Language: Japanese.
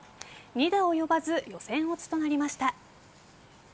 ２打及ばず予選落ちとなりました。